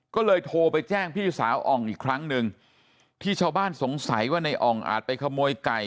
ก็เลยโทรไปแจ้งพี่สาวอ่องอีกครั้งหนึ่งที่ชาวบ้านสงสัยว่าในอ่องอาจไปขโมยไก่